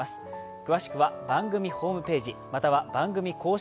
詳しくは番組ホームページ、または番組公式